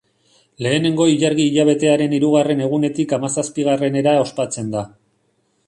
Lehenengo ilargi-hilabetearen hirugarren egunetik hamazazpigarrenera ospatzen da.